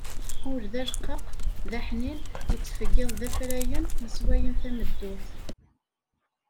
Ul d aleqqaq,d aḥnin, yettfeggiḍ d afrayen yeswayen tameddurt.